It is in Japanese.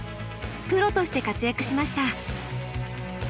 プロとして活躍しました。